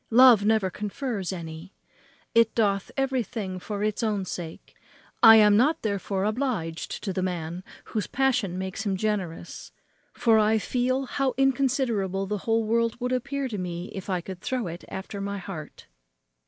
love never confers any. It doth everything for its own sake. I am not therefore obliged to the man whose passion makes him generous; for I feel how inconsiderable the whole world would appear to me if I could throw it after my heart."